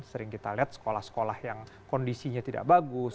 sering kita lihat sekolah sekolah yang kondisinya tidak bagus